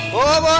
buah buah ayam